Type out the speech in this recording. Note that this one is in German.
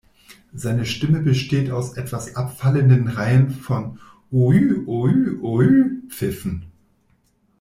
Seine Stimme besteht aus etwas abfallenden Reihen von "uü-uü-uü"-Pfiffen.